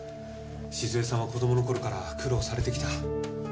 静江さんは子供の頃から苦労されてきた。